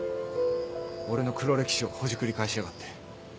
俺の黒歴史をほじくり返しやがって。